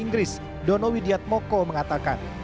inggris donowidiat mokko mengatakan